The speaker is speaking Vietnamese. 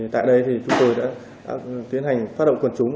tại đây chúng tôi đã tiến hành phát động quần trúng